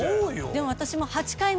でも私も。